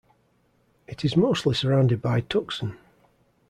It is mostly surrounded by Tucson.